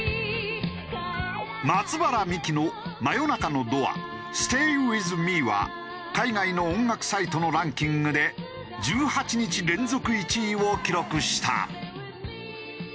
松原みきの『真夜中のドアｓｔａｙｗｉｔｈｍｅ』は海外の音楽サイトのランキングで１８日連続１位を記録した。